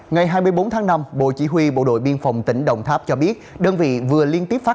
ngày hai mươi bốn tháng năm bộ chỉ huy bộ đội biên phòng tỉnh đồng tháp cho biết đơn vị vừa liên tiếp phát